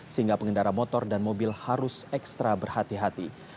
sehingga pengendara motor dan mobil harus ekstra berhati hati